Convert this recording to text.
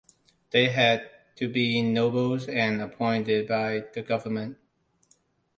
They had to be nobles and appointed by the government.